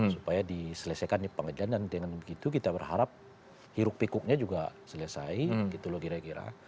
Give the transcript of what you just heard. supaya diselesaikan di pengadilan dan dengan begitu kita berharap hiruk pikuknya juga selesai